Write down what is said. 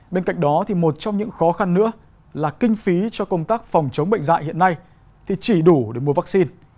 bên cạnh đó một trong những khó khăn nữa là kinh phí cho công tác phòng chống bệnh dạy hiện nay thì chỉ đủ để mua vaccine